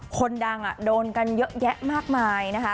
คนดังโดนกันเยอะแยะมากมายนะคะ